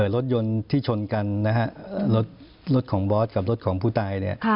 รถยนต์ที่ชนกันนะฮะรถของบอสกับรถของผู้ตายเนี่ย